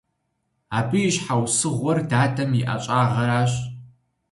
Абы и щхьэусыгъуэр дадэм и ӀэщӀагъэращ.